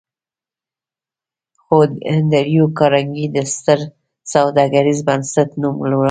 خو د انډريو کارنګي د ستر سوداګريز بنسټ نوم لوړ و.